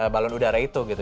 balon udara itu gitu